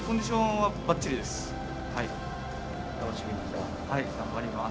はい頑張ります。